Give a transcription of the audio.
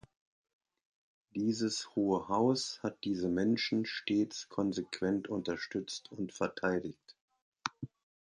Dieses Hohe Haus hat diese Menschen stets konsequent unterstützt und verteidigt.